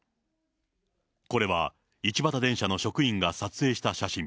これは一畑電車の職員が撮影した写真。